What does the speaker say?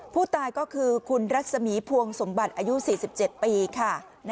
ผู้ตายก็คือคุณรัศมีพวงสมบัติอายุ๔๗ปีค่ะ